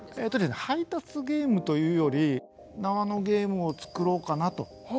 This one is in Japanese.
配達ゲームというより縄のゲームをつくろうかなと。